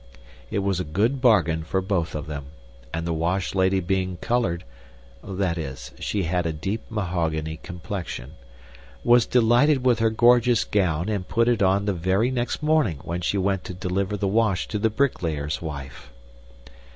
It was a good bargain for both of them, and the wash lady being colored that is, she had a deep mahogany complexion was delighted with her gorgeous gown and put it on the very next morning when she went to deliver the wash to the brick layer's wife.